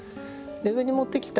上に持ってきた